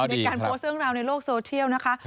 ในการโพสต์เรื่องราวในโลกโซเทียลนะคะ